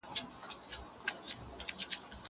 زه کولای سم اوبه پاک کړم!!